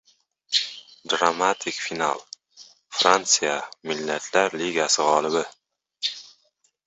Dramatik final: Fransiya Millatlar Ligasi g‘olibi!